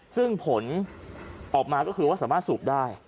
ซึ่งผลออกมาก็คือว่าสามารถสูบได้